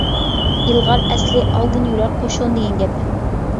ئىلغار ئەسلى ئالدىن يۈرەر قوشۇن دېگەن گەپ.